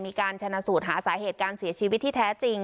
มีการชนะสูตรหาสาเหตุการเสียชีวิตที่แท้จริง